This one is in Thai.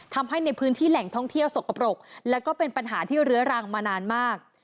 ทำให้ในพื้นที่แหล่งท่องเที่ยวสกปรกและก็เป็นปัญหาที่เรื้อรังมานานมาก